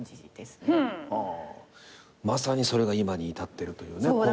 まさにそれが今に至ってるというね。